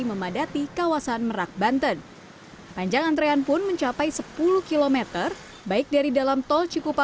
memadati kawasan merak banten panjang antrean pun mencapai sepuluh km baik dari dalam tol cikupa